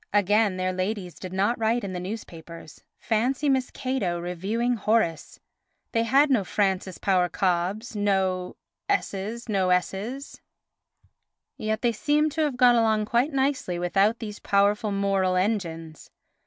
Again, their ladies did not write in the newspapers. Fancy Miss Cato reviewing Horace! They had no Frances Power Cobbes, no ... s, no ... s; yet they seem to have got along quite nicely without these powerful moral engines.